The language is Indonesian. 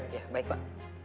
ya baik pak